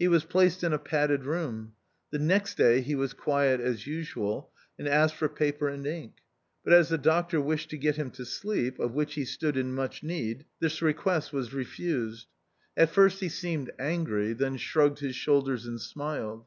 He was placed in a padded room. The next day he was quiet as usual, and asked for paper and ink ; but as the doctor wished to get him to sleep, of which he stood in much need, this 14 THE OUTCAST. request was refused. At first lie seemed angry, then shrugged his shoulders and smiled.